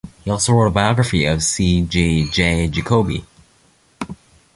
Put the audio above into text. He also wrote a biography of C. G. J. Jacobi.